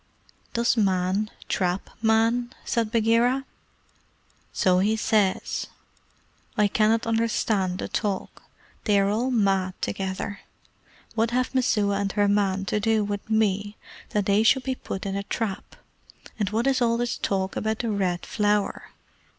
"Does Man trap Man?" said Bagheera. "So he says. I cannot understand the talk. They are all mad together. What have Messua and her man to do with me that they should be put in a trap; and what is all this talk about the Red Flower?